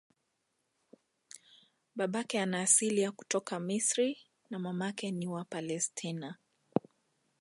Babake ana asili ya kutoka Misri na mamake ni wa Palestina.